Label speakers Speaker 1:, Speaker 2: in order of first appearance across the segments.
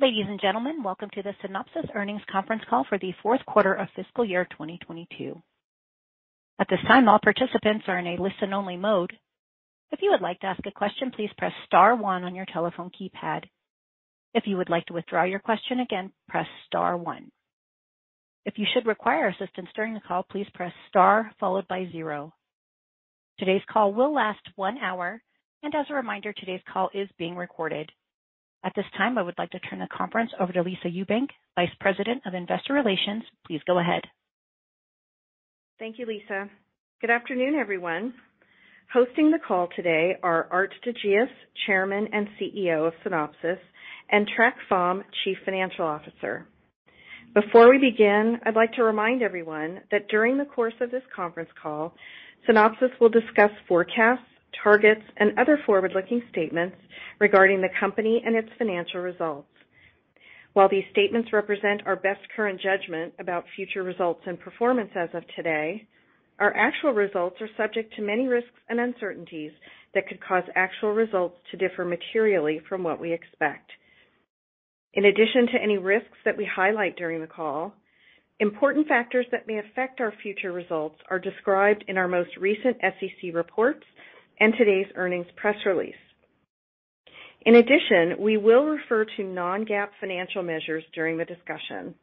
Speaker 1: Ladies and gentlemen, welcome to the Synopsys Earnings Conference Call for the Fourth Quarter of Fiscal Year 2022. At this time, all participants are in a listen only mode. If you would like to ask a question, please press star one on your telephone keypad. If you would like to withdraw your question again, press star one. If you should require assistance during the call, please press star followed by zero. Today's call will last one hour. As a reminder, today's call is being recorded. At this time, I would like to turn the conference over to Lisa Ewbank, Vice President of Investor Relations. Please go ahead.
Speaker 2: Thank you, Lisa. Good afternoon, everyone. Hosting the call today are Aart de Geus, Chairman and CEO of Synopsys, and Trac Pham, Chief Financial Officer. Before we begin, I'd like to remind everyone that during the course of this conference call, Synopsys will discuss forecasts, targets, and other forward-looking statements regarding the company and its financial results. While these statements represent our best current judgment about future results and performance as of today, our actual results are subject to many risks and uncertainties that could cause actual results to differ materially from what we expect. In addition to any risks that we highlight during the call, important factors that may affect our future results are described in our most recent SEC reports and today's earnings press release. In addition, we will refer to non-GAAP financial measures during the discussion.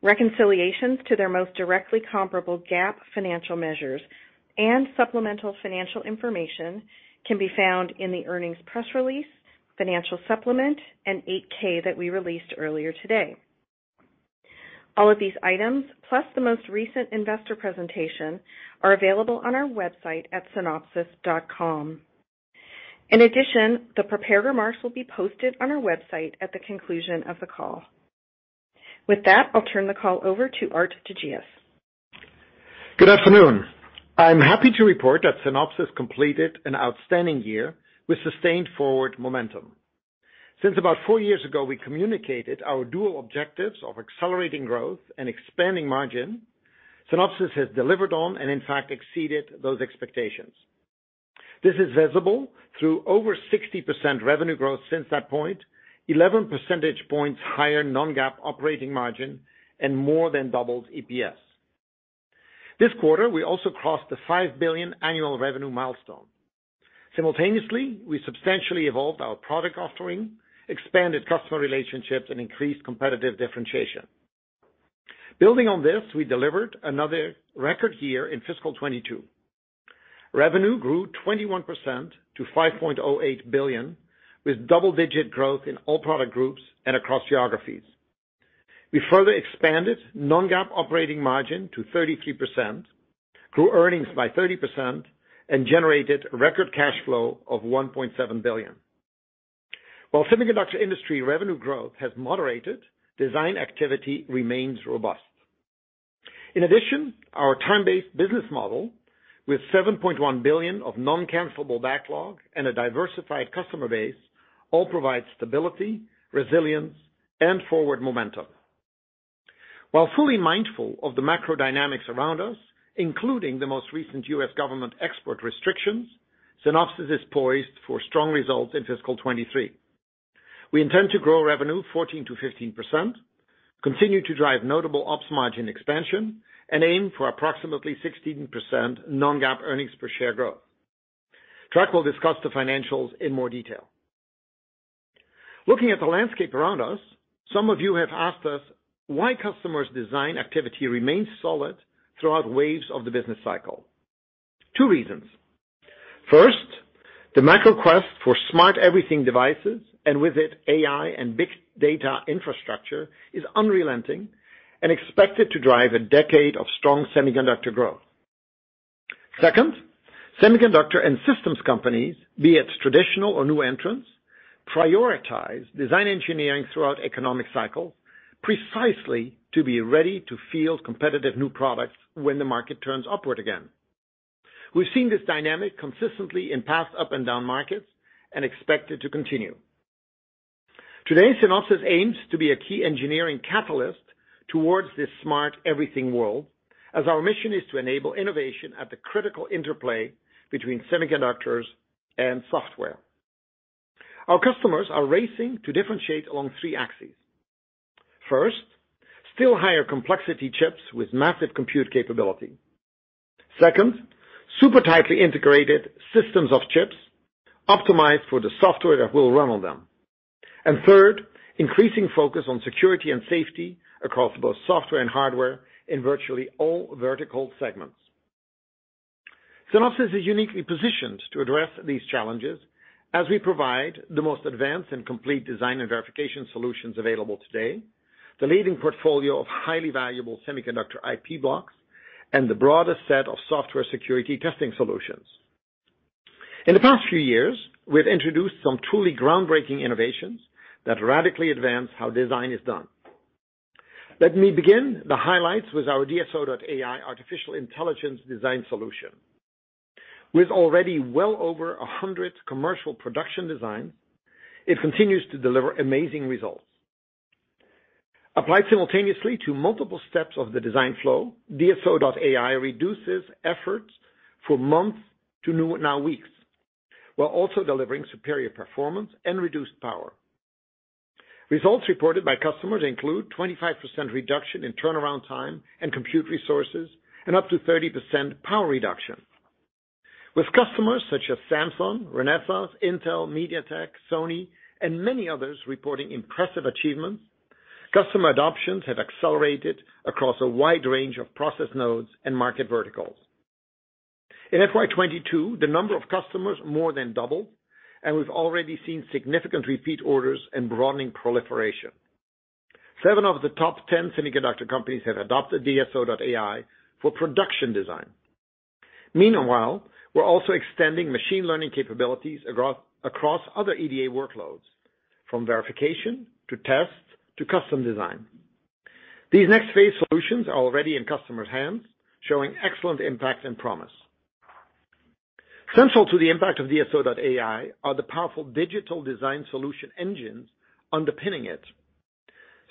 Speaker 2: Reconciliations to their most directly comparable GAAP financial measures and supplemental financial information can be found in the earnings press release, financial supplement, and 8-K that we released earlier today. All of these items, plus the most recent investor presentation, are available on our website at synopsys.com. In addition, the prepared remarks will be posted on our website at the conclusion of the call. With that, I'll turn the call over to Aart de Geus.
Speaker 3: Good afternoon. I'm happy to report that Synopsys completed an outstanding year with sustained forward momentum. Since about four years ago, we communicated our dual objectives of accelerating growth and expanding margin, Synopsys has delivered on and in fact exceeded those expectations. This is visible through over 60% revenue growth since that point, 11 percentage points higher non-GAAP operating margin and more than doubled EPS. This quarter, we also crossed the $5 billion annual revenue milestone. Simultaneously, we substantially evolved our product offering, expanded customer relationships, and increased competitive differentiation. Building on this, we delivered another record year in fiscal 2022. Revenue grew 21% to $5.08 billion, with double-digit growth in all product groups and across geographies. We further expanded non-GAAP operating margin to 33%, grew earnings by 30%, and generated record cash flow of $1.7 billion. While semiconductor industry revenue growth has moderated, design activity remains robust. In addition, our time-based business model with $7.1 billion of non-cancelable backlog and a diversified customer base all provide stability, resilience, and forward momentum. While fully mindful of the macro dynamics around us, including the most recent U.S. government export restrictions, Synopsys is poised for strong results in fiscal 2023. We intend to grow revenue 14%-15%, continue to drive notable ops margin expansion, and aim for approximately 16% non-GAAP earnings per share growth. Trac will discuss the financials in more detail. Looking at the landscape around us, some of you have asked us why customers' design activity remains solid throughout waves of the business cycle. Two reasons. First, the macro quest for Smart Everything devices, with it AI and big data infrastructure, is unrelenting and expected to drive a decade of strong semiconductor growth. Second, semiconductor and systems companies, be it traditional or new entrants, prioritize design engineering throughout economic cycle precisely to be ready to field competitive new products when the market turns upward again. We've seen this dynamic consistently in past up and down markets and expect it to continue. Today, Synopsys aims to be a key engineering catalyst towards this smart everything world, as our mission is to enable innovation at the critical interplay between semiconductors and software. Our customers are racing to differentiate along three axes. First, still higher complexity chips with massive compute capability. Second, super tightly integrated systems of chips optimized for the software that will run on them. And third, increasing focus on security and safety across both software and hardware in virtually all vertical segments. Synopsys is uniquely positioned to address these challenges as we provide the most advanced and complete design and verification solutions available today, the leading portfolio of highly valuable semiconductor IP blocks, and the broadest set of software security testing solutions. In the past few years, we've introduced some truly groundbreaking innovations that radically advance how design is done. Let me begin the highlights with our DSO.ai artificial intelligence design solution. With already well over 100 commercial production design, it continues to deliver amazing results. Applied simultaneously to multiple steps of the design flow, DSO.ai reduces efforts for months to now weeks, while also delivering superior performance and reduced power. Results reported by customers include 25% reduction in turnaround time and compute resources, and up to 30% power reduction. With customers such as Samsung, Renesas, Intel, MediaTek, Sony, and many others reporting impressive achievements, customer adoptions have accelerated across a wide range of process nodes and market verticals. In FY 2022, the number of customers more than doubled, and we've already seen significant repeat orders and broadening proliferation. Seven of the top 10 semiconductor companies have adopted DSO.ai for production design. Meanwhile, we're also extending machine learning capabilities across other EDA workloads, from verification to test to custom design. These next phase solutions are already in customers' hands, showing excellent impact and promise. Central to the impact of DSO.ai are the powerful digital design solution engines underpinning it,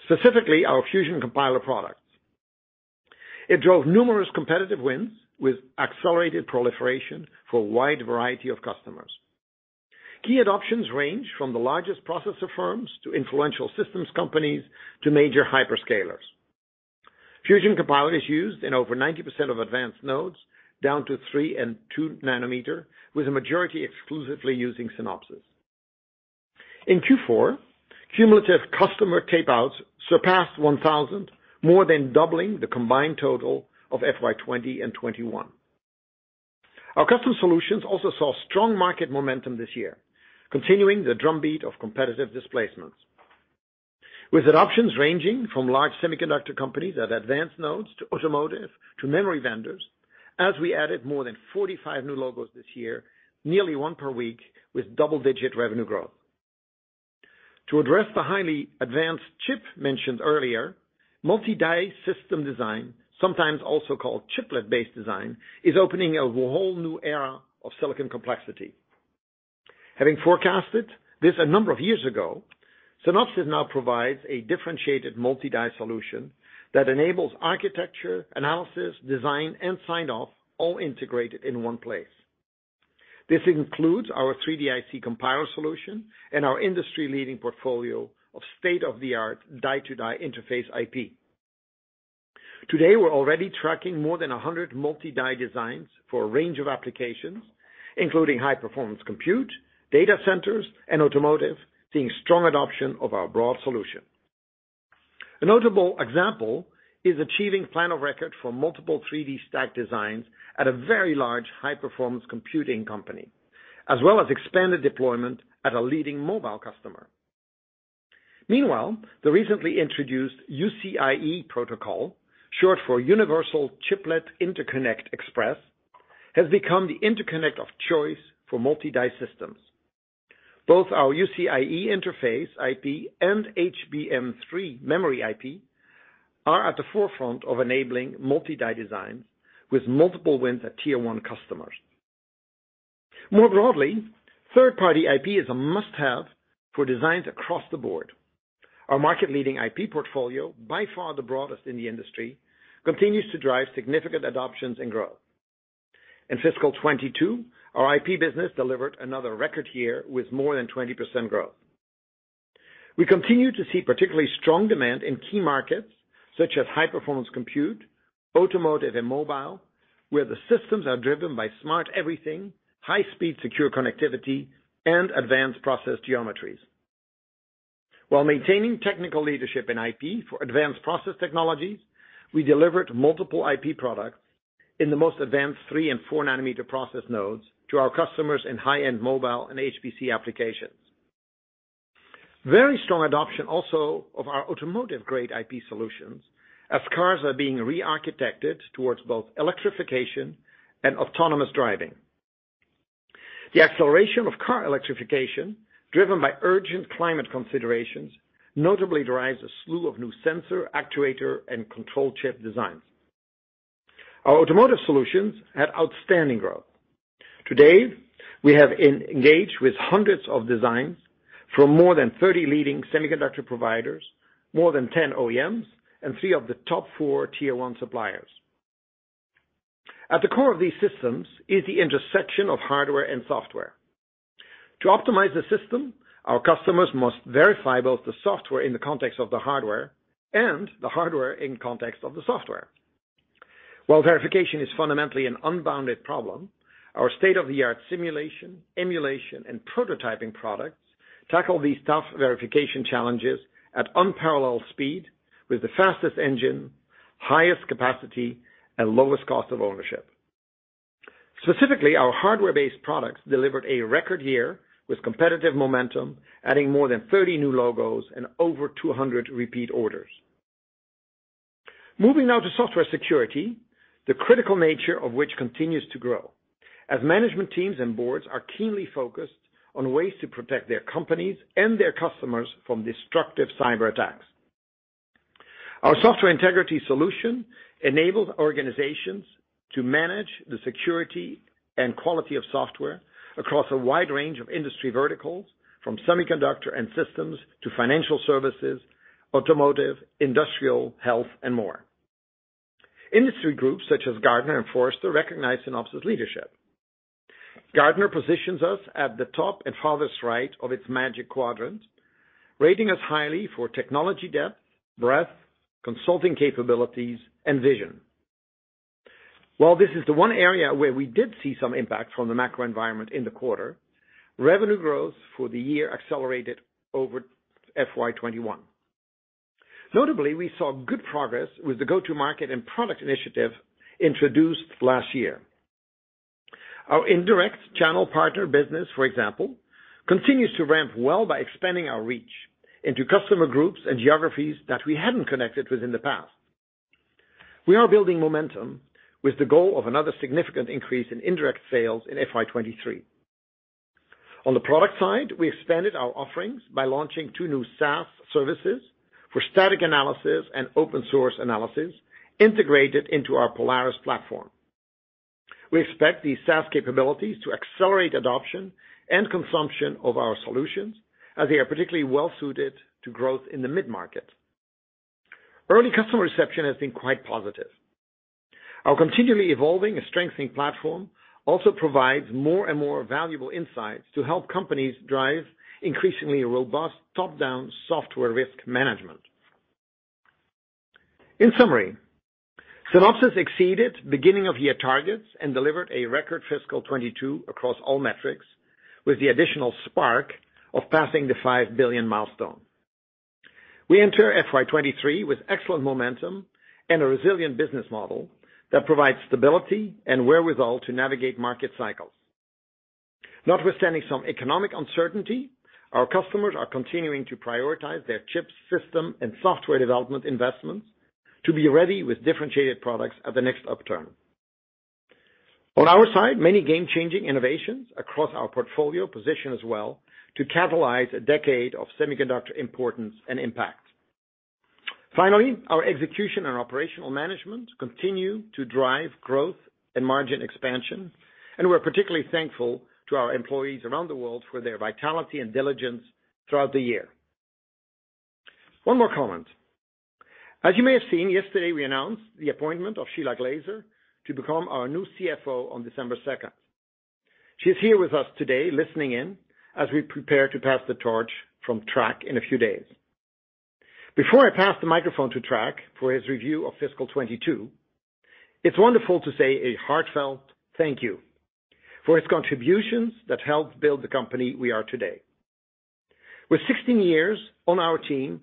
Speaker 3: specifically our Fusion Compiler products. It drove numerous competitive wins with accelerated proliferation for a wide variety of customers. Key adoptions range from the largest processor firms to influential systems companies to major hyperscalers. Fusion Compiler is used in over 90% of advanced nodes, down to 3 and 2 nm, with a majority exclusively using Synopsys. In Q4, cumulative customer tapeouts surpassed 1,000, more than doubling the combined total of FY 2020 and 2021. Our custom solutions also saw strong market momentum this year, continuing the drumbeat of competitive displacements. With adoptions ranging from large semiconductor companies at advanced nodes to automotive to memory vendors, as we added more than 45 new logos this year, nearly one per week, with double-digit revenue growth. To address the highly advanced chip mentioned earlier, multi-die system design, sometimes also called chiplet-based design, is opening up a whole new era of silicon complexity. Having forecasted this a number of years ago, Synopsys now provides a differentiated multi-die solution that enables architecture, analysis, design, and sign-off, all integrated in one place. This includes our 3D-IC Compiler solution and our industry-leading portfolio of state-of-the-art die-to-die interface IP. Today, we're already tracking more than a 100 multi-die designs for a range of applications, including high-performance compute, data centers, and automotive, seeing strong adoption of our broad solution. A notable example is achieving plan of record for multiple 3D stack designs at a very large high-performance computing company, as well as expanded deployment at a leading mobile customer. Meanwhile, the recently introduced UCIe protocol, short for Universal Chiplet Interconnect Express, has become the interconnect of choice for multi-die systems. Both our UCIe interface IP and HBM3 memory IP are at the forefront of enabling multi-die designs with multiple wins at tier one customers. More broadly, third-party IP is a must-have for designs across the board. Our market-leading IP portfolio, by far the broadest in the industry, continues to drive significant adoptions and growth. In fiscal 2022, our IP business delivered another record year with more than 20% growth. We continue to see particularly strong demand in key markets such as high-performance compute, automotive, and mobile, where the systems are driven by smart everything, high-speed secure connectivity, and advanced process geometries. While maintaining technical leadership in IP for advanced process technologies, we delivered multiple IP products in the most advanced 3 and 4 nm process nodes to our customers in high-end mobile and HPC applications. Very strong adoption also of our automotive-grade IP solutions as cars are being re-architected towards both electrification and autonomous driving. The acceleration of car electrification, driven by urgent climate considerations, notably derives a slew of new sensor, actuator, and control chip designs. Our automotive solutions had outstanding growth. Today, we have engaged with hundreds of designs from more than 30 leading semiconductor providers, more than 10 OEMs, and three of the top four Tier 1 suppliers. At the core of these systems is the intersection of hardware and software. To optimize the system, our customers must verify both the software in the context of the hardware and the hardware in context of the software. While verification is fundamentally an unbounded problem, our state-of-the-art simulation, emulation, and prototyping products tackle these tough verification challenges at unparalleled speed with the fastest engine, highest capacity, and lowest cost of ownership. Specifically, our hardware-based products delivered a record year with competitive momentum, adding more than 30 new logos and over 200 repeat orders. Moving now to software security, the critical nature of which continues to grow as management teams and boards are keenly focused on ways to protect their companies and their customers from destructive cyber attacks. Our software integrity solution enables organizations to manage the security and quality of software across a wide range of industry verticals, from semiconductor and systems to financial services, automotive, industrial, health and more. Industry groups such as Gartner and Forrester recognize Synopsys leadership. Gartner positions us at the top and farthest right of its magic quadrant, rating us highly for technology depth, breadth, consulting capabilities, and vision. While this is the one area where we did see some impact from the macro environment in the quarter, revenue growth for the year accelerated over FY 2021. Notably, we saw good progress with the go-to market and product initiative introduced last year. Our indirect channel partner business, for example, continues to ramp well by expanding our reach into customer groups and geographies that we hadn't connected with in the past. We are building momentum with the goal of another significant increase in indirect sales in FY 2023. On the product side, we expanded our offerings by launching two new SaaS services for static analysis and open source analysis integrated into our Polaris platform. We expect these SaaS capabilities to accelerate adoption and consumption of our solutions, as they are particularly well-suited to growth in the mid-market. Early customer reception has been quite positive. Our continually evolving and strengthening platform also provides more and more valuable insights to help companies drive increasingly robust top-down software risk management. In summary, Synopsys exceeded beginning of year targets and delivered a record fiscal 2022 across all metrics with the additional spark of passing the $5 billion milestone. We enter FY 2023 with excellent momentum and a resilient business model that provides stability and wherewithal to navigate market cycles. Notwithstanding some economic uncertainty, our customers are continuing to prioritize their chips system and software development investments to be ready with differentiated products at the next upturn. On our side, many game-changing innovations across our portfolio position us well to catalyze a decade of semiconductor importance and impact. Finally, our execution and operational management continue to drive growth and margin expansion, and we're particularly thankful to our employees around the world for their vitality and diligence throughout the year. One more comment. As you may have seen, yesterday, we announced the appointment of Shelagh Glaser to become our new CFO on December 2. She is here with us today listening in as we prepare to pass the torch from Trac in a few days. Before I pass the microphone to Trac for his review of fiscal 2022, it's wonderful to say a heartfelt thank you for his contributions that helped build the company we are today. With 16 years on our team,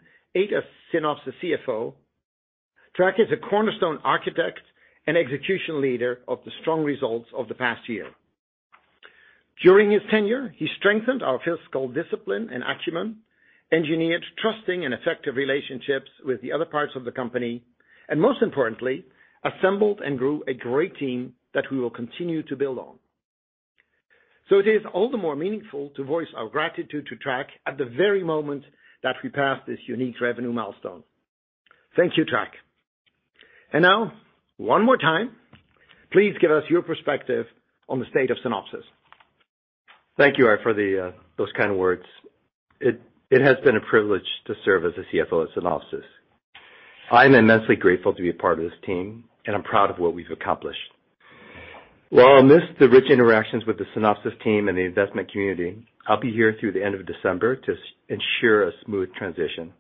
Speaker 3: eight as Synopsys CFO, Trac is a cornerstone architect and execution leader of the strong results of the past year. During his tenure, he strengthened our fiscal discipline and acumen, engineered trusting and effective relationships with the other parts of the company, and most importantly, assembled and grew a great team that we will continue to build on. So it is all the more meaningful to voice our gratitude to Trac at the very moment that we pass this unique revenue milestone. Thank you, Trac. Now, one more time, please give us your perspective on the state of Synopsys.
Speaker 4: Thank you, Aart, for the those kind words. It has been a privilege to serve as a CFO at Synopsys. I'm immensely grateful to be a part of this team, and I'm proud of what we've accomplished. While I'll miss the rich interactions with the Synopsys team and the investment community, I'll be here through the end of December to ensure a smooth transition.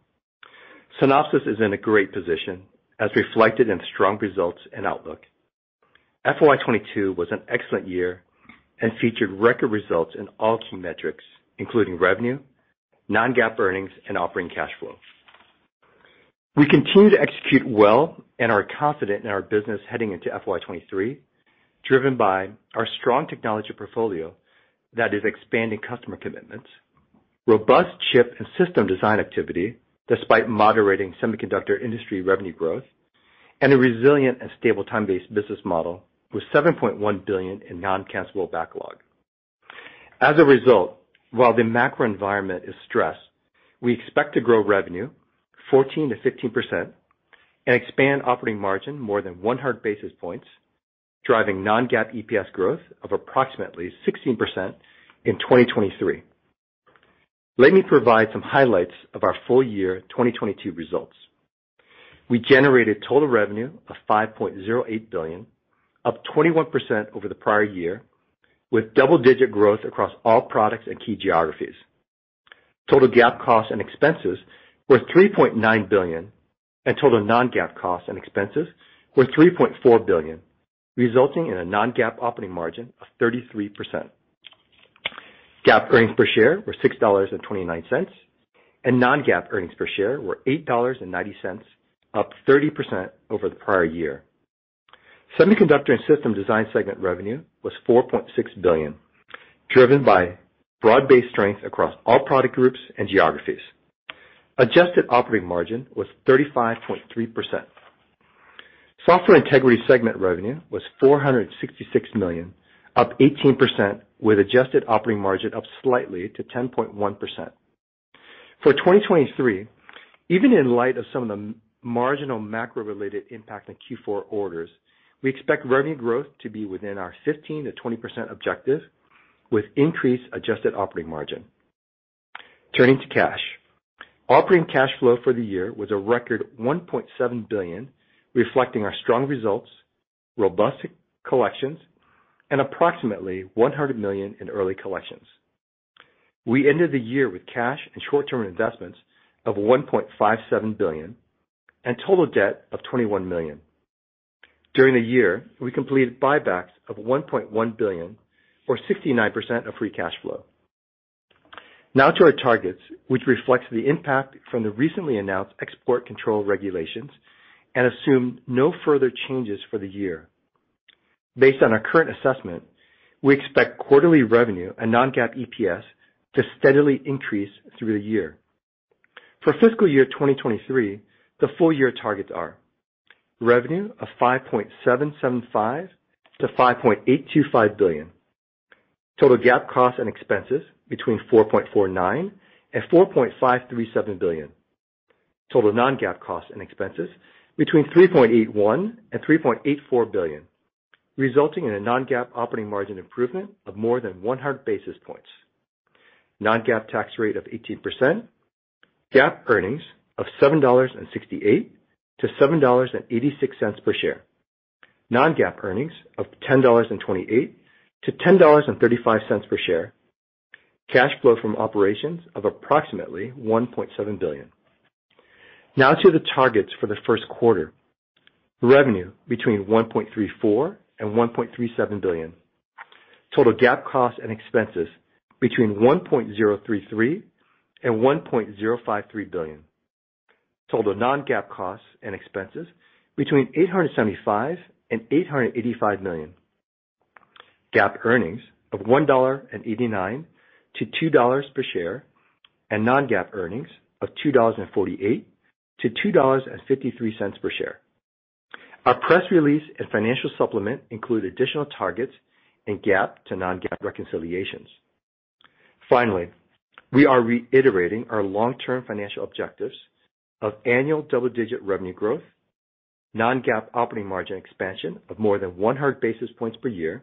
Speaker 4: Synopsys is in a great position as reflected in strong results and outlook. FY 2022 was an excellent year and featured record results in all key metrics, including revenue, non-GAAP earnings and operating cash flow. We continue to execute well and are confident in our business heading into FY 2023, driven by our strong technology portfolio that is expanding customer commitments, robust chip and system design activity despite moderating semiconductor industry revenue growth, and a resilient and stable time-based business model with $7.1 billion in non-cancellable backlog. While the macro environment is stressed, we expect to grow revenue 14%-15% and expand operating margin more than 100 basis points, driving non-GAAP EPS growth of approximately 16% in 2023. Let me provide some highlights of our full year 2022 results. We generated total revenue of $5.08 billion, up 21% over the prior year, with double-digit growth across all products and key geographies. Total GAAP costs and expenses were $3.9 billion, and total non-GAAP costs and expenses were $3.4 billion, resulting in a non-GAAP operating margin of 33%. GAAP earnings per share were $6.29, and non-GAAP earnings per share were $8.90, up 30% over the prior year. Semiconductor and system design segment revenue was $4.6 billion, driven by broad-based strength across all product groups and geographies. Adjusted operating margin was 35.3%. Software integrity segment revenue was $466 million, up 18% with adjusted operating margin up slightly to 10.1%. For 2023, even in light of some of the marginal macro related impact on Q4 orders, we expect revenue growth to be within our 15%-20% objective with increased adjusted operating margin. Turning to cash. Operating cash flow for the year was a record $1.7 billion, reflecting our strong results, robust collections, and approximately $100 million in early collections. We ended the year with cash and short-term investments of $1.57 billion and total debt of $21 million. During the year, we completed buybacks of $1.1 billion or 69% of free cash flow. To our targets, which reflects the impact from the recently announced export control regulations and assume no further changes for the year. Based on our current assessment, we expect quarterly revenue and non-GAAP EPS to steadily increase through the year. For fiscal year 2023, the full year targets are: revenue of $5.775 billion-$5.825 billion, total GAAP cost and expenses between $4.49 billion and $4.537 billion, total non-GAAP costs and expenses between $3.81 billion and $3.84 billion, resulting in a non-GAAP operating margin improvement of more than 100 basis points. Non-GAAP tax rate of 18%, GAAP earnings of $7.68-$7.86 per share. Non-GAAP earnings of $10.28-$10.35 per share. Cash flow from operations of approximately $1.7 billion. Now to the targets for the first quarter. Revenue between $1.34 billion and $1.37 billion. Total GAAP costs and expenses between $1.033 billion and $1.053 billion. Total non-GAAP costs and expenses between $875 million and $885 million. GAAP earnings of $1.89-$2.00 per share, and non-GAAP earnings of $2.48-$2.53 per share. Our press release and financial supplement include additional targets and GAAP to non-GAAP reconciliations. Finally, we are reiterating our long-term financial objectives of annual double-digit revenue growth, non-GAAP operating margin expansion of more than 100 basis points per year,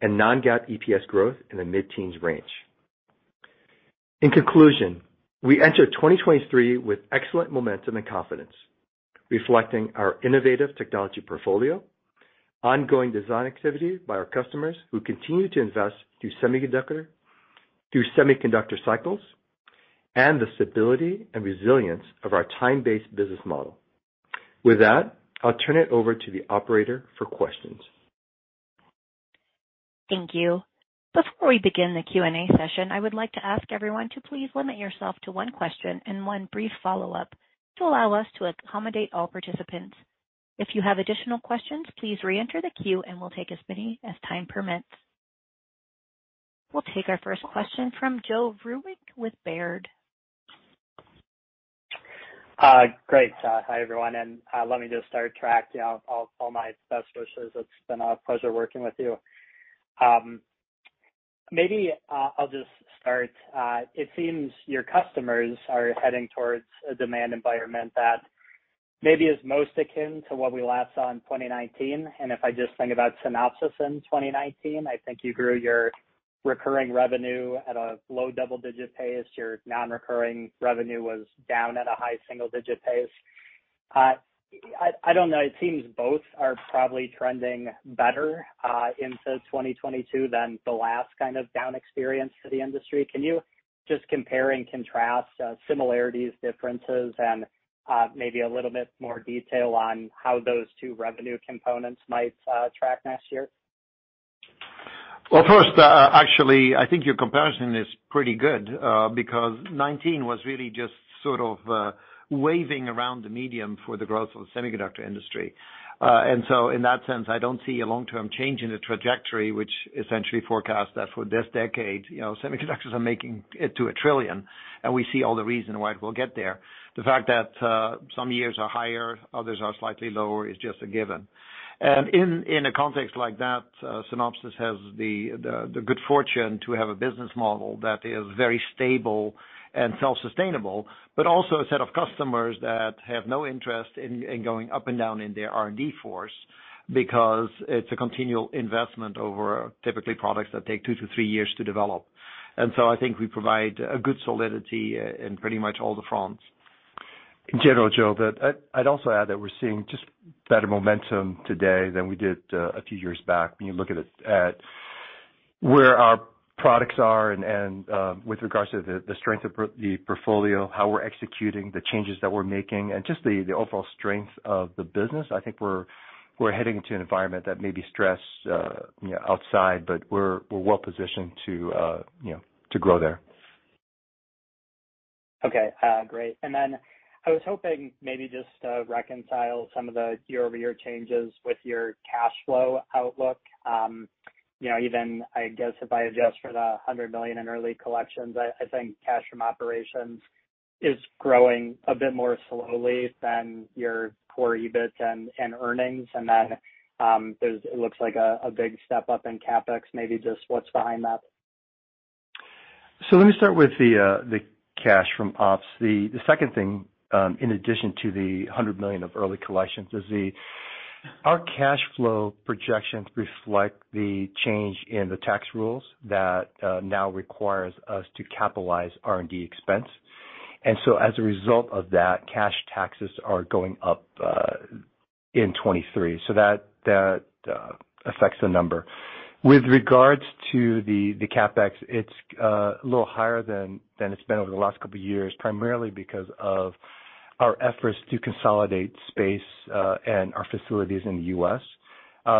Speaker 4: and non-GAAP EPS growth in the mid-teens range. In conclusion, we enter 2023 with excellent momentum and confidence, reflecting our innovative technology portfolio, ongoing design activity by our customers who continue to invest through semiconductor cycles, and the stability and resilience of our time-based business model. With that, I'll turn it over to the operator for questions.
Speaker 1: Thank you. Before we begin the Q&A session, I would like to ask everyone to please limit yourself to one question and one brief follow-up to allow us to accommodate all participants. If you have additional questions, please re-enter the queue and we'll take as many as time permits. We'll take our first question from Joe Vruwink with Baird.
Speaker 5: Great. Hi, everyone, and let me just start Trac. You know, all my best wishes. It's been a pleasure working with you. Maybe I'll just start, it seems your customers are heading towards a demand environment that maybe is most akin to what we last saw in 2019. If I just think about Synopsys in 2019, I think you grew your recurring revenue at a low double-digit pace. Your non-recurring revenue was down at a high single digit pace. I don't know, it seems both are probably trending better into 2022 than the last kind of down experience for the industry. Can you just compare and contrast similarities, differences, and maybe a little bit more detail on how those two revenue components might track next year?
Speaker 4: Well, first, actually, I think your comparison is pretty good, because 2019 was really just sort of, waving around the medium for the growth of the semiconductor industry. In that sense, I don't see a long-term change in the trajectory which essentially forecasts that for this decade, you know, semiconductors are making it to $1 trillion, and we see all the reason why it will get there. The fact that, some years are higher, others are slightly lower, is just a given. In a context like that, Synopsys has the good fortune to have a business model that is very stable and self-sustainable, but also a set of customers that have no interest in going up and down in their R&D force because it's a continual investment over typically products that take two to three years to develop. I think we provide a good solidity in pretty much all the fronts. In general, Joe, I'd also add that we're seeing just better momentum today than we did a few years back when you look at where our products are and with regards to the strength of the portfolio, how we're executing the changes that we're making and just the overall strength of the business. I think we're heading into an environment that may be stressed, you know, outside, but we're well positioned to, you know, to grow there.
Speaker 5: Okay. Great. Then I was hoping maybe just reconcile some of the year-over-year changes with your cash flow outlook. You know, even, I guess if I adjust for the $100 million in early collections, I think cash from operations is growing a bit more slowly than your core EBIT and earnings. Then, it looks like a big step up in CapEx, maybe just what's behind that?
Speaker 4: Let me start with the cash from ops. The second thing, in addition to the $100 million of early collections is our cash flow projections reflect the change in the tax rules that now requires us to capitalize R&D expense. As a result of that, cash taxes are going up in 2023, so that affects the number. With regards to the CapEx, it's a little higher than it's been over the last couple of years, primarily because of our efforts to consolidate space and our facilities in the U.S.,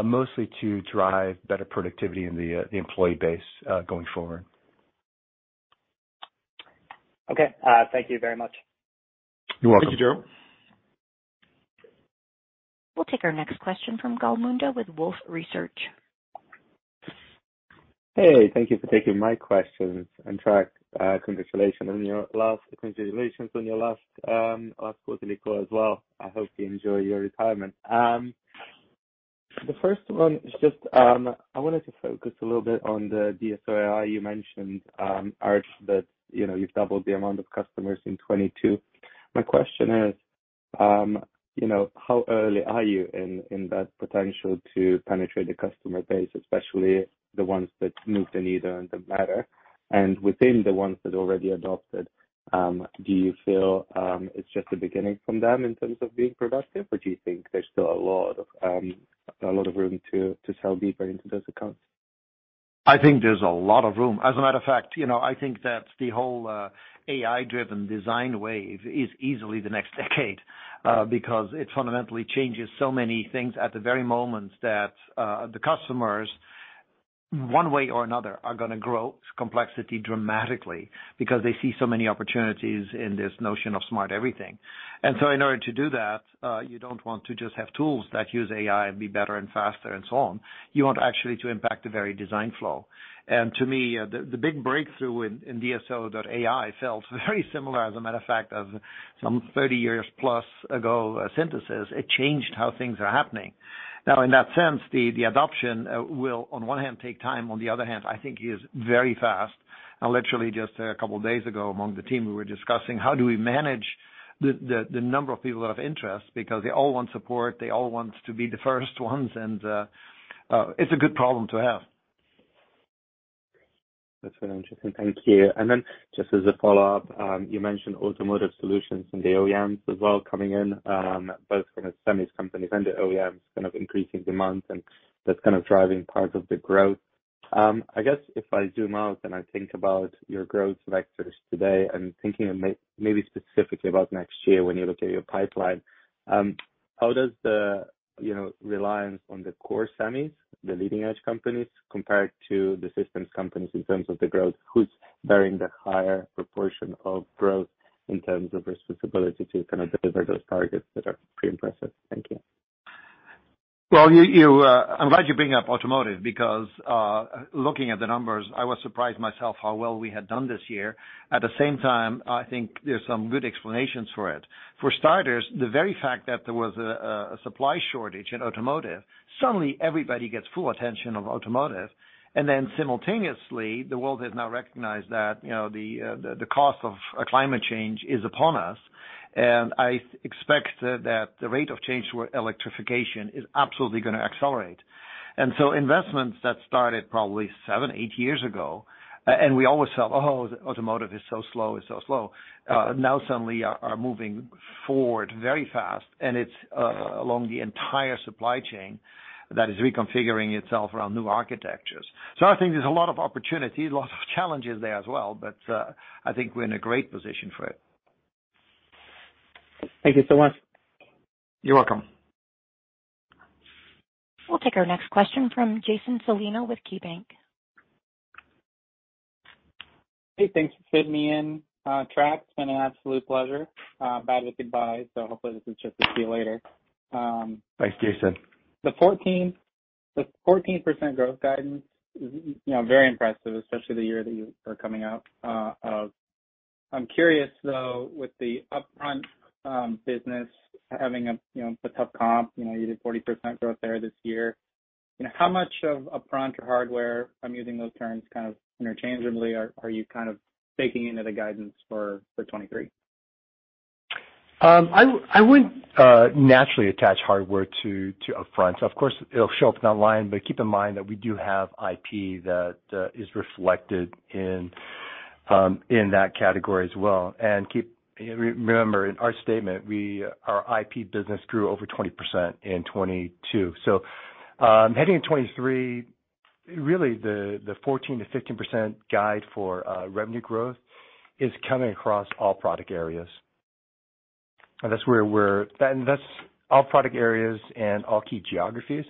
Speaker 4: mostly to drive better productivity in the employee base going forward.
Speaker 5: Okay. Thank you very much.
Speaker 4: You're welcome.
Speaker 3: Thank you, Joe.
Speaker 1: We'll take our next question from Gal Munda with Wolfe Research.
Speaker 6: Hey, thank you for taking my questions. Trac, congratulations on your last quarterly call as well. I hope you enjoy your retirement. The first one is just, I wanted to focus a little bit on the DSO.ai you mentioned, Aart, that, you know, you've doubled the amount of customers in 2022. My question is, you know, how early are you in that potential to penetrate the customer base, especially the ones that move the needle and that matter? Within the ones that already adopted, do you feel it's just the beginning from them in terms of being productive? Or do you think there's still a lot of room to sell deeper into those accounts?
Speaker 3: I think there's a lot of room. As a matter of fact, you know, I think that the whole AI-driven design wave is easily the next decade because it fundamentally changes so many things at the very moment that the customers, one way or another, are gonna grow complexity dramatically because they see so many opportunities in this notion of smart everything. In order to do that, you don't want to just have tools that use AI and be better and faster and so on. You want actually to impact the very design flow. To me, the big breakthrough in DSO.ai felt very similar, as a matter of fact, of some 30-years-plus ago synthesis. It changed how things are happening. In that sense, the adoption will on one hand, take time, on the other hand, I think is very fast. Literally just a couple of days ago, among the team, we were discussing how do we manage the number of people of interest because they all want support, they all want to be the first ones, and it's a good problem to have.
Speaker 6: That's very interesting. Thank you. Just as a follow-up, you mentioned automotive solutions and the OEMs as well coming in, both from the semis companies and the OEMs kind of increasing demand, and that's kind of driving part of the growth. I guess if I zoom out and I think about your growth vectors today and thinking maybe specifically about next year when you look at your pipeline, how does the, you know, reliance on the core semis, the leading-edge companies, compare to the systems companies in terms of the growth? Who's bearing the higher proportion of growth in terms of responsibility to kind of deliver those targets that are pretty impressive? Thank you.
Speaker 3: Well, you, I'm glad you bring up automotive because, looking at the numbers, I was surprised myself how well we had done this year. At the same time, I think there's some good explanations for it. For starters, the very fact that there was a supply shortage in automotive, suddenly everybody gets full attention of automotive. Simultaneously, the world has now recognized that, you know, the cost of climate change is upon us. I expect that the rate of change for electrification is absolutely gonna accelerate. Investments that started probably seven, eight years ago, and we always thought, "Oh, automotive is so slow," now suddenly are moving forward very fast, and it's along the entire supply chain that is reconfiguring itself around new architectures. I think there's a lot of opportunities, lots of challenges there as well, but I think we're in a great position for it.
Speaker 6: Thank you so much.
Speaker 3: You're welcome.
Speaker 1: We'll take our next question from Jason Celino with KeyBanc.
Speaker 7: Hey, thanks for fitting me in. Trac, it's been an absolute pleasure. Bad with goodbyes, so hopefully this is just to see you later.
Speaker 4: Thanks, Jason.
Speaker 7: The 14% growth guidance is, you know, very impressive, especially the year that you are coming out of. I'm curious, though, with the Upfront business `having a, you know, a tough comp, you know, you did 40% growth there this year. You know, how much of Upfront or hardware, I'm using those terms kind of interchangeably, are you kind of baking into the guidance for 2023?
Speaker 4: I wouldn't naturally attach hardware to Upfront. Of course, it'll show up in the line, but keep in mind that we do have IP that is reflected in that category as well. Remember, in our statement, our IP business grew over 20% in 2022. Heading in 2023, really the 14%-15% guide for revenue growth is coming across all product areas. That's where and that's all product areas and all key geographies.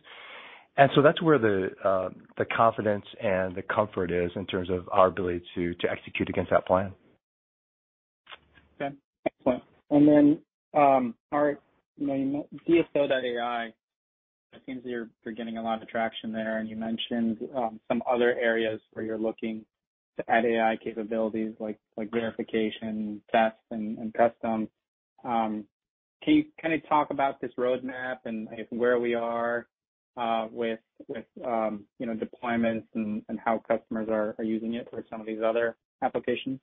Speaker 4: That's where the confidence and the comfort is in terms of our ability to execute against that plan.
Speaker 7: Okay. Excellent. And then Aart, you know, DSO.ai, it seems you're getting a lot of traction there and you mentioned some other areas where you're looking to add AI capabilities like verification, tests, and custom. Can you kind of talk about this roadmap and where we are with, you know, deployments and how customers are using it for some of these other applications?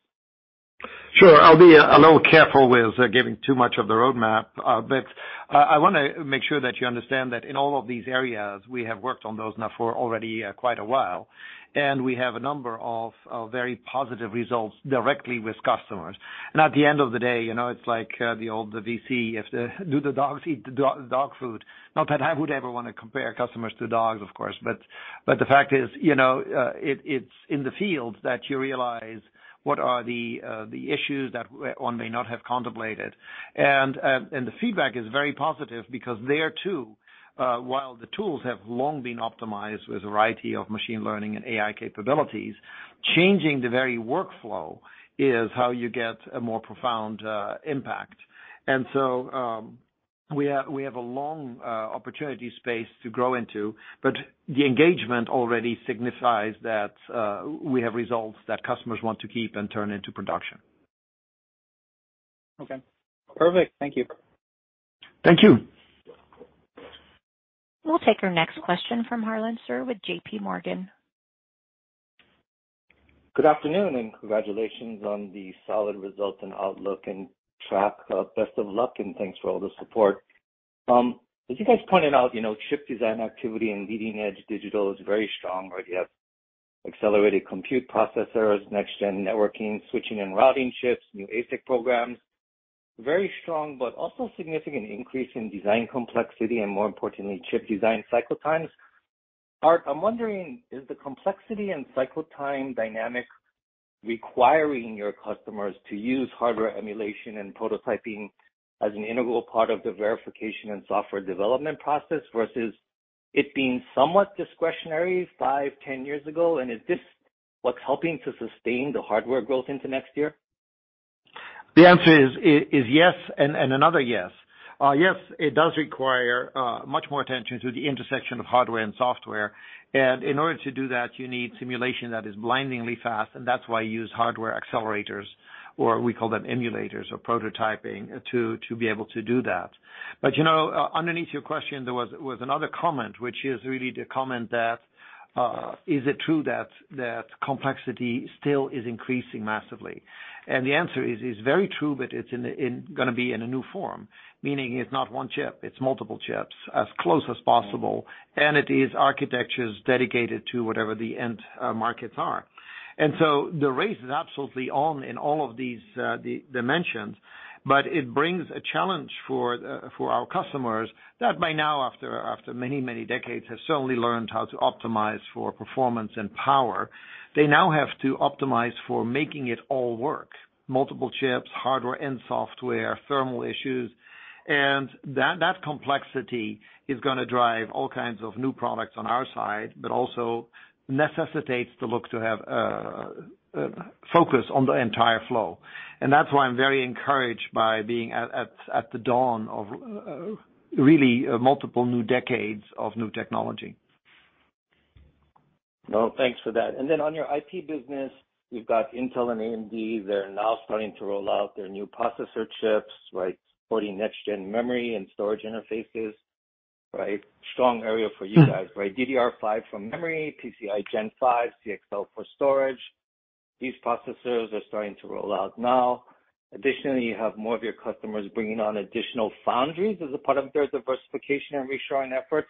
Speaker 3: Sure. I'll be a little careful with giving too much of the roadmap. But I wanna make sure that you understand that in all of these areas, we have worked on those now for already quite a while. We have a number of very positive results directly with customers. At the end of the day, you know, it's like the old VC, if the dogs eat dog food? Not that I would ever wanna compare customers to dogs, of course. The fact is, you know, it's in the field that you realize what are the issues that one may not have contemplated. The feedback is very positive because there too, while the tools have long been optimized with a variety of machine learning and AI capabilities, changing the very workflow is how you get a more profound impact. We have a long opportunity space to grow into, but the engagement already signifies that we have results that customers want to keep and turn into production.
Speaker 7: Okay. Perfect. Thank you.
Speaker 3: Thank you.
Speaker 1: We'll take our next question from Harlan Sur with JPMorgan.
Speaker 8: Good afternoon. Congratulations on the solid results and outlook, Trac. Best of luck and thanks for all the support. As you guys pointed out, you know, chip design activity and leading-edge digital is very strong where you have accelerated compute processors, next-gen networking, switching and routing chips, new ASIC programs. Very strong, but also significant increase in design complexity and more importantly, chip design cycle times. Aart, I'm wondering, is the complexity and cycle time dynamic requiring your customers to use hardware emulation and prototyping as an integral part of the verification and software development process versus it being somewhat discretionary five, 10 years ago? Is this what's helping to sustain the hardware growth into next year?
Speaker 3: The answer is yes and another yes. Yes, it does require much more attention to the intersection of hardware and software. In order to do that, you need simulation that is blindingly fast, and that's why you use hardware accelerators, or we call them emulators or prototyping to be able to do that. You know, underneath your question, there was another comment, which is really the comment that is it true that complexity still is increasing massively? The answer is very true, but it's in a new form, meaning it's not one chip, it's multiple chips as close as possible, and it is architectures dedicated to whatever the end markets are. The race is absolutely on in all of these dimensions, but it brings a challenge for our customers that by now, after many, many decades, have certainly learned how to optimize for performance and power. They now have to optimize for making it all work: multiple chips, hardware and software, thermal issues. That complexity is gonna drive all kinds of new products on our side, but also necessitates the look to have focus on the entire flow. That's why I'm very encouraged by being at the dawn of really multiple new decades of new technology.
Speaker 8: Well, thanks for that. On your IP business, you've got Intel and AMD. They're now starting to roll out their new processor chips, right? Supporting next-gen memory and storage interfaces, right? Strong area for you guys, right? DDR5 for memory, PCI Gen 5, CXL for storage. These processors are starting to roll out now. Additionally, you have more of your customers bringing on additional foundries as a part of their diversification and reshoring efforts.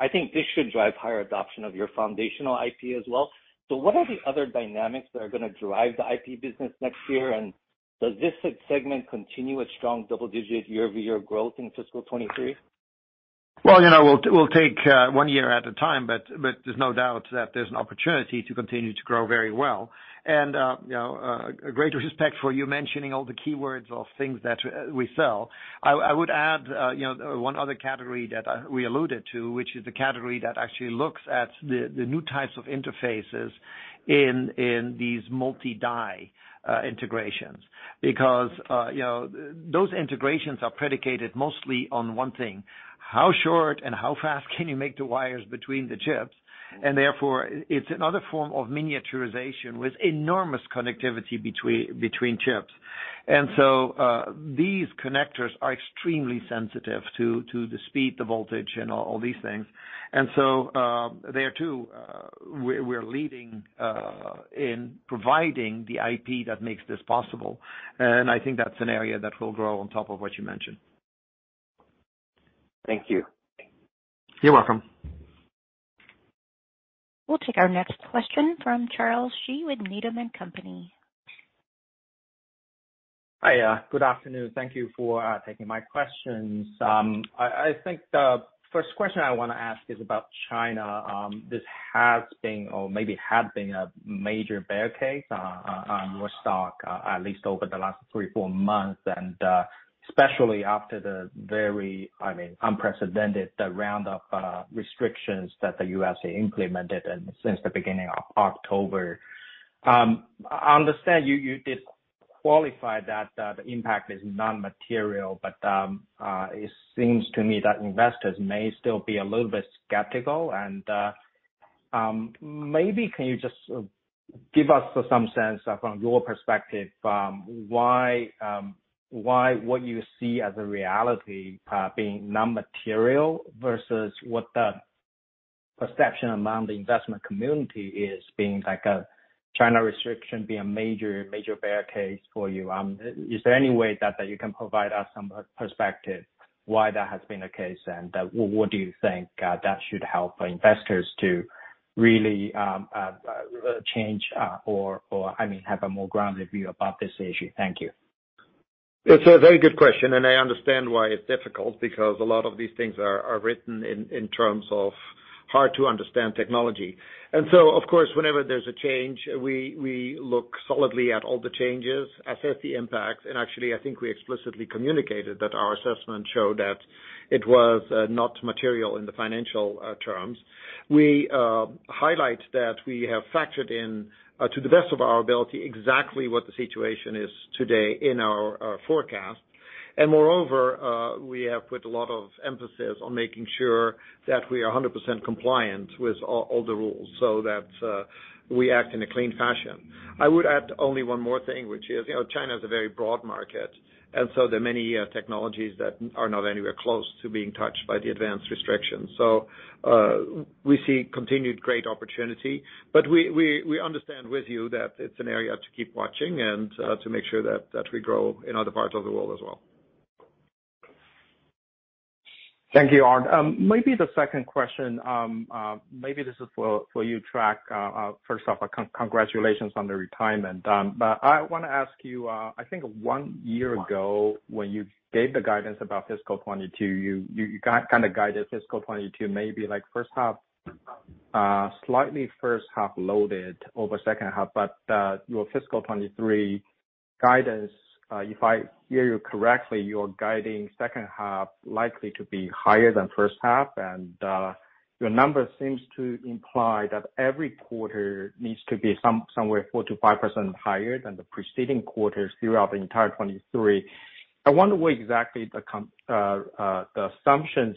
Speaker 8: I think this should drive higher adoption of your foundational IP as well. What are the other dynamics that are gonna drive the IP business next year? Does this segment continue a strong double-digit year-over-year growth in fiscal 2023?
Speaker 3: Well, you know, we'll take one year at a time, but there's no doubt that there's an opportunity to continue to grow very well. You know, great respect for you mentioning all the keywords of things that we sell. I would add, you know, one other category that we alluded to, which is the category that actually looks at the new types of interfaces in these multi-die integrations. You know, those integrations are predicated mostly on one thing: How short and how fast can you make the wires between the chips? It's another form of miniaturization with enormous connectivity between chips. These connectors are extremely sensitive to the speed, the voltage, and all these things. There too, we're leading, in providing the IP that makes this possible. I think that's an area that will grow on top of what you mentioned.
Speaker 8: Thank you.
Speaker 3: You're welcome.
Speaker 1: We'll take our next question from Charles Shi with Needham & Company.
Speaker 9: Hi. Good afternoon. Thank you for taking my questions. I think the first question I wanna ask is about China. This has been or maybe had been a major bear case on your stock, at least over the last three, four months, and especially after the very, I mean, unprecedented, the roundup restrictions that the U.S. implemented since the beginning of October. I understand you did qualify that the impact is non-material, but it seems to me that investors may still be a little bit skeptical. Maybe can you just give us some sense from your perspective, why what you see as a reality being non-material versus what the perception among the investment community is being like a China restriction, being a major bear case for you? Is there any way that you can provide us some perspective why that has been the case and what do you think that should help investors to really change or, I mean, have a more grounded view about this issue? Thank you.
Speaker 3: It's a very good question, and I understand why it's difficult because a lot of these things are written in terms of hard to understand technology. Of course, whenever there's a change, we look solidly at all the changes, assess the impacts. Actually, I think we explicitly communicated that our assessment showed that it was not material in the financial terms. We highlight that we have factored in to the best of our ability exactly what the situation is today in our forecast. Moreover, we have put a lot of emphasis on making sure that we are 100% compliant with all the rules, so that we act in a clean fashion. I would add only one more thing, which is, you know, China is a very broad market. There are many technologies that are not anywhere close to being touched by the advanced restrictions. We see continued great opportunity. We understand with you that it's an area to keep watching and to make sure that we grow in other parts of the world as well.
Speaker 9: Thank you, Aart. Maybe the second question, maybe this is for you, Trac. First off, congratulations on the retirement. I wanna ask you, I think one year ago when you gave the guidance about fiscal 2022, you kind of guided fiscal 2022, maybe like first half, slightly first half loaded over second half. Your fiscal 2023 guidance, if I hear you correctly, you're guiding second half likely to be higher than first half. Your number seems to imply that every quarter needs to be somewhere 4%-5% higher than the preceding quarters throughout the entire 2023. I wonder what exactly the assumptions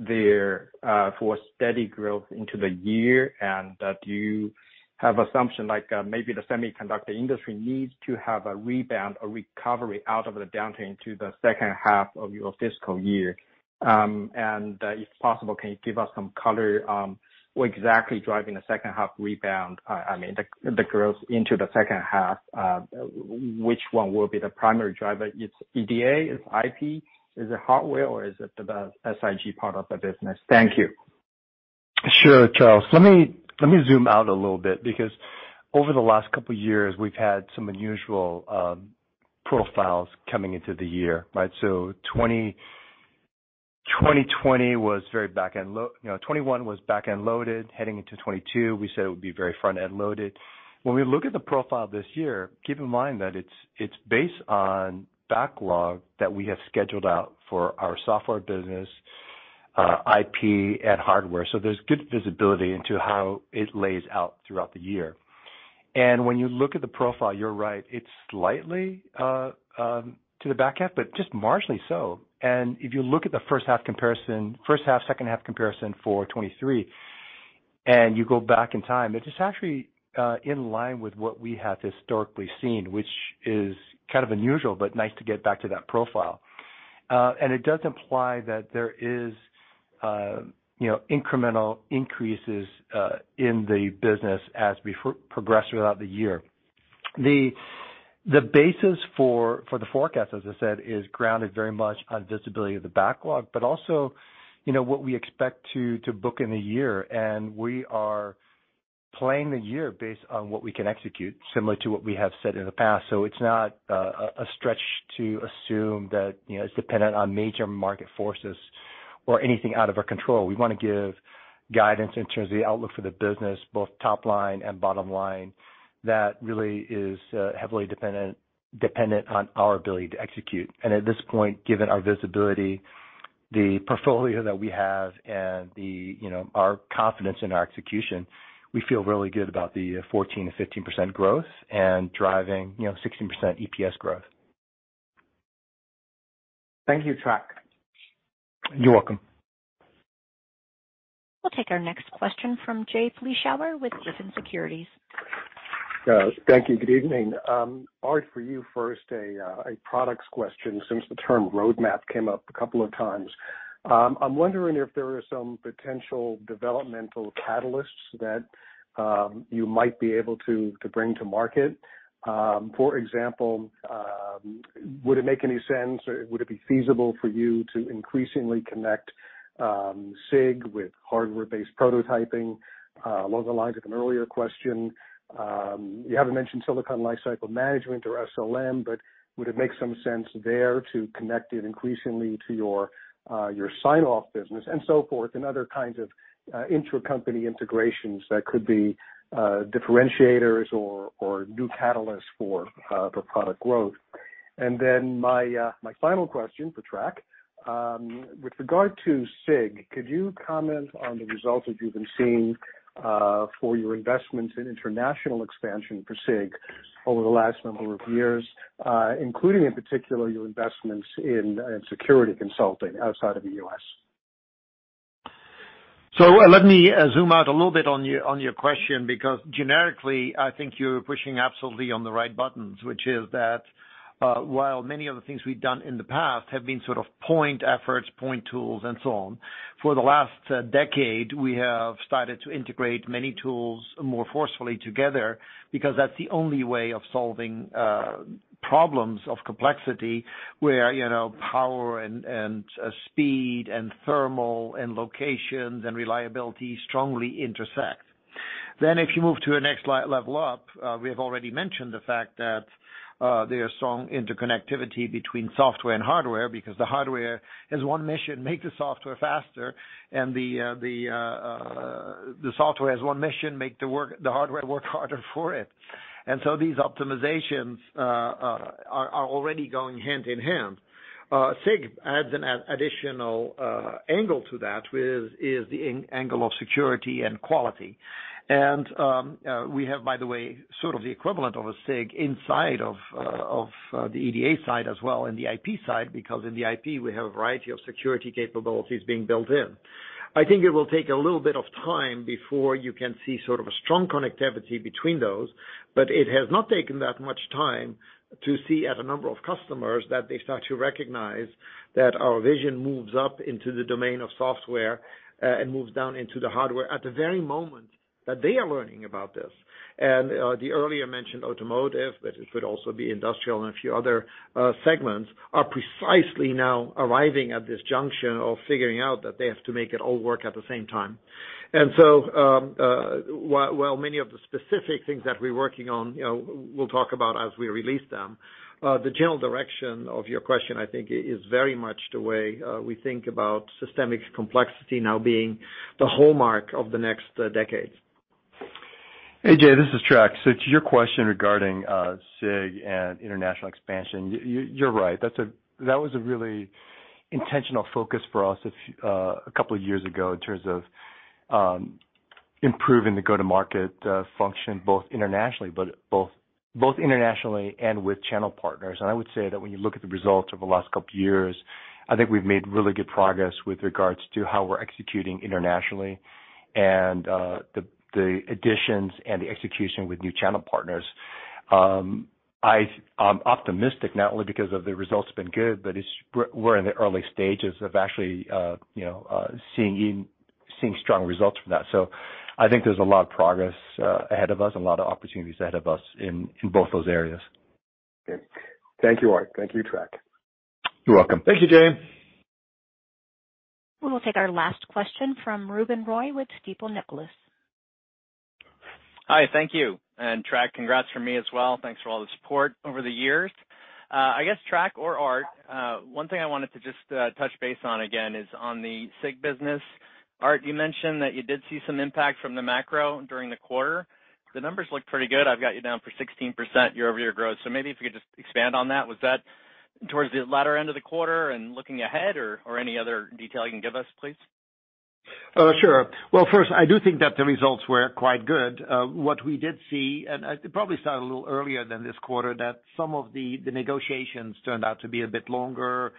Speaker 9: there, for steady growth into the year, and that you have assumption like, maybe the semiconductor industry needs to have a rebound or recovery out of the downturn to the second half of your fiscal year. If possible, can you give us some color, what exactly driving the second half rebound? I mean the growth into the second half. Which one will be the primary driver? It's EDA, it's IP, is it hardware or is it the SIG part of the business? Thank you.
Speaker 4: Sure, Charles. Let me zoom out a little bit because over the last couple of years we've had some unusual profiles coming into the year, right? So 20, 2020 was very back-end load. You know, 2021 was back-end loaded. Heading into 2022, we said it would be very front-end loaded. When we look at the profile this year, keep in mind that it's based on backlog that we have scheduled out for our software business, IP and hardware. There's good visibility into how it lays out throughout the year. When you look at the profile, you're right, it's slightly to the back half, but just marginally so. If you look at the first half comparison, first half, second half comparison for 2023, and you go back in time, it is actually in line with what we have historically seen, which is kind of unusual but nice to get back to that profile. It does imply that there is, you know, incremental increases in the business as we progress throughout the year. The basis for the forecast, as I said, is grounded very much on visibility of the backlog, but also, you know, what we expect to book in a year. We are playing the year based on what we can execute, similar to what we have said in the past. So it's not a stretch to assume that, you know, it's dependent on major market forces or anything out of our control. We wanna give guidance in terms of the outlook for the business, both top line and bottom line that really is heavily dependent on our ability to execute. At this point, given our visibility, the portfolio that we have and, you know, our confidence in our execution, we feel really good about the 14%-15% growth and driving, you know, 16% EPS growth.
Speaker 9: Thank you, Trac.
Speaker 4: You're welcome.
Speaker 1: We'll take our next question from Jay Vleeschhouwer with Griffin Securities.
Speaker 10: Thank you. Good evening. Aart, for you first, a products question since the term roadmap came up a couple of times. I'm wondering if there are some potential developmental catalysts that you might be able to bring to market. For example, would it make any sense or would it be feasible for you to increasingly connect SIG with hardware-based prototyping? Along the lines of an earlier question, you haven't mentioned Silicon Lifecycle Management or SLM, but would it make some sense there to connect it increasingly to your sign-off business and so forth, and other kinds of intra-company integrations that could be differentiators or new catalysts for product growth? My final question for Trac. With regard to SIG, could you comment on the results that you've been seeing, for your investment in international expansion for SIG over the last number of years, including in particular your investments in security consulting outside of the U.S.?
Speaker 3: Let me zoom out a little bit on your question because generically, I think you're pushing absolutely on the right buttons, which is that, while many of the things we've done in the past have been sort of point efforts, point tools and so on, for the last decade, we have started to integrate many tools more forcefully together because that's the only way of solving problems of complexity where, you know, power and speed and thermal and locations and reliability strongly intersect. If you move to the next level up, we have already mentioned the fact that there are strong interconnectivity between software and hardware because the hardware has one mission: make the software faster, and the software has one mission: make the hardware work harder for it. These optimizations are already going hand-in-hand. SIG adds an additional angle to that, with is the angle of security and quality. We have, by the way, sort of the equivalent of a SIG inside of the EDA side as well, and the IP side, because in the IP, we have a variety of security capabilities being built in. I think it will take a little bit of time before you can see sort of a strong connectivity between those, but it has not taken that much time to see at a number of customers that they start to recognize that our vision moves up into the domain of software, and moves down into the hardware at the very moment that they are learning about this. The earlier mentioned automotive, but it could also be industrial and a few other segments, are precisely now arriving at this junction of figuring out that they have to make it all work at the same time. While many of the specific things that we're working on, you know, we'll talk about as we release them, the general direction of your question, I think is very much the way we think about systemic complexity now being the hallmark of the next decade.
Speaker 4: Hey, Jay, this is Trac. To your question regarding SIG and international expansion, you're right. That was a really intentional focus for us a couple of years ago in terms of improving the go-to-market function, both internationally, but both internationally and with channel partners. I would say that when you look at the results over the last couple of years, I think we've made really good progress with regards to how we're executing internationally and the additions and the execution with new channel partners. I'm optimistic not only because of the results been good, but we're in the early stages of actually, you know, seeing strong results from that. I think there's a lot of progress ahead of us and a lot of opportunities ahead of us in both those areas.
Speaker 10: Thank you, Aart. Thank you, Trac.
Speaker 4: You're welcome.
Speaker 3: Thank you, Jay.
Speaker 1: We will take our last question from Ruben Roy with Stifel Nicolaus.
Speaker 11: Hi, thank you. Trac, congrats from me as well. Thanks for all the support over the years. I guess, Trac or Aart, one thing I wanted to just touch base on again is on the SIG business. Aart, you mentioned that you did see some impact from the macro during the quarter. The numbers look pretty good. I've got you down for 16% year-over-year growth. Maybe if you could just expand on that. Was that towards the latter end of the quarter and looking ahead or any other detail you can give us, please?
Speaker 3: Sure. Well, first, I do think that the results were quite good. What we did see, it probably started a little earlier than this quarter, that some of the negotiations turned out to be a bit longer,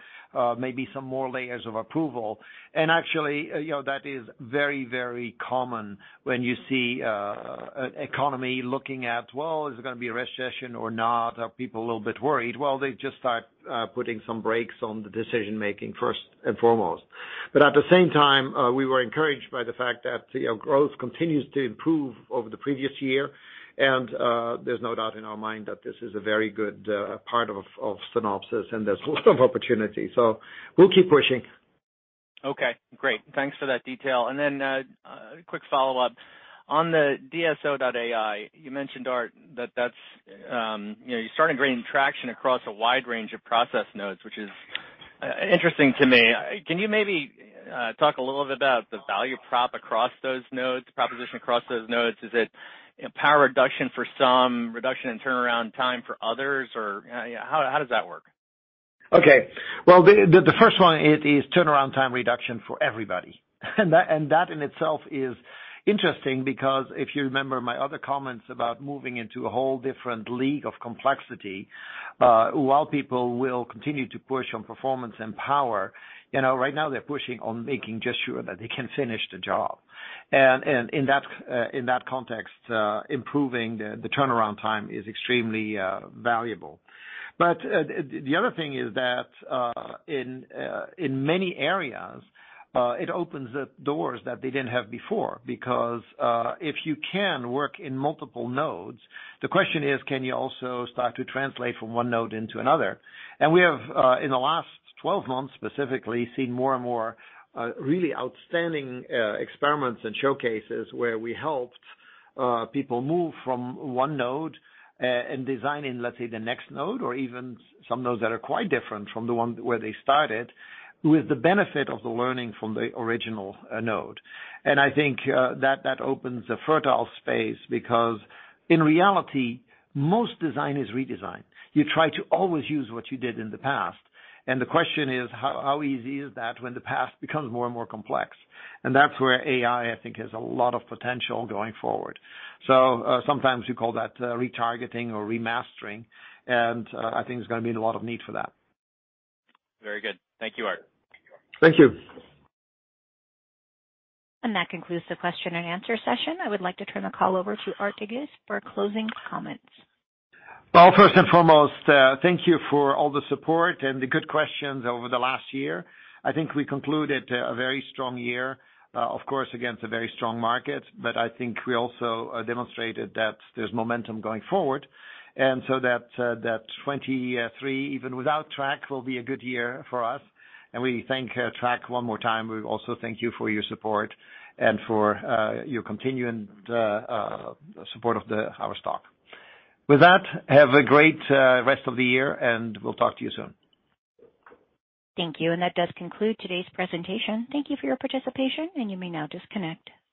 Speaker 3: maybe some more layers of approval. Actually, you know, that is very, very common when you see economy looking at, well, is it gonna be a recession or not? Are people a little bit worried? Well, they just start putting some brakes on the decision-making first and foremost. At the same time, we were encouraged by the fact that, you know, growth continues to improve over the previous year, there's no doubt in our mind that this is a very good part of Synopsys, there's lots of opportunity. We'll keep pushing.
Speaker 11: Okay, great. Thanks for that detail. Quick follow-up. On the DSO.ai, you mentioned, Aart, that that's, you know, you're starting to gain traction across a wide range of process nodes, which is interesting to me. Can you maybe talk a little bit about the proposition across those nodes? Is it power reduction for some, reduction in turnaround time for others or, you know, how does that work?
Speaker 3: Okay. Well, the first one is turnaround time reduction for everybody. That in itself is interesting because if you remember my other comments about moving into a whole different league of complexity, while people will continue to push on performance and power, you know, right now they're pushing on making just sure that they can finish the job. In that context, improving the turnaround time is extremely valuable. The other thing is that, in many areas, it opens up doors that they didn't have before, because if you can work in multiple nodes, the question is, can you also start to translate from one node into another? We have, in the last 12 months, specifically, seen more and more, really outstanding, experiments and showcases where we helped people move from one node, and designing, let's say, the next node or even some nodes that are quite different from the one where they started with the benefit of the learning from the original node. I think that opens a fertile space because in reality, most design is redesign. You try to always use what you did in the past. The question is, how easy is that when the past becomes more and more complex? That's where AI, I think, has a lot of potential going forward. Sometimes you call that retargeting or remastering, and I think there's gonna be a lot of need for that.
Speaker 11: Very good. Thank you, Aart.
Speaker 3: Thank you.
Speaker 1: That concludes the question and answer session. I would like to turn the call over to Aart de Geus for closing comments.
Speaker 3: First and foremost, thank you for all the support and the good questions over the last year. I think we concluded a very strong year, of course, against a very strong market. I think we also demonstrated that there's momentum going forward. That 2023, even without Trac, will be a good year for us. We thank Trac one more time. We also thank you for your support and for your continuing support of our stock. With that, have a great rest of the year, and we'll talk to you soon.
Speaker 1: Thank you. That does conclude today's presentation. Thank you for your participation, and you may now disconnect.